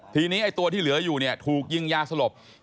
วันนี้ตัวที่เหลืออยู่เนะถูกยิงยาสลบ